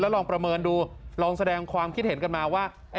ลองประเมินดูลองแสดงความคิดเห็นกันมาว่า